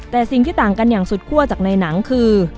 แต่สิ่งที่ต่างกันอย่างสุดคั่วจากในหนังคือ